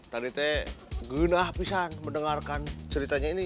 teteh genah pak mendengarkan ceritanya ini